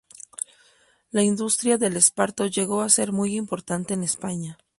La industria del esparto llegó a ser muy importante en España.